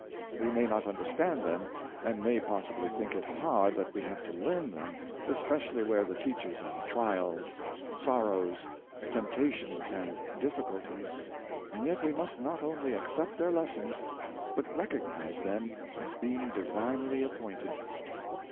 We may not understand them, and may possibly think it hard that we have to learn them, especially where the teachers are trials, sorrows, temptations, and difficukies; and yet we must not only accept their lessons, but recognize them as being divinely appointed.